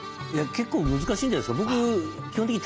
結構難しいんじゃないですか。